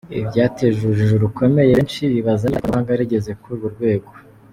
Ibi byateje urujijo rukomeye benshi bibaza niba ikoranabuhanga rigeze kuri urwo rwego.